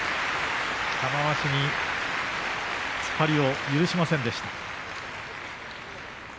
玉鷲に突っ張りを許しませんでした。